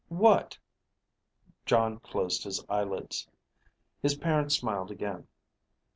"What?" Jon closed his eyelids. His parent smiled again.